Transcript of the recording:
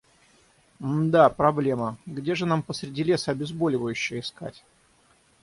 Мда, проблема. Где же нам посреди леса обезболивающее искать?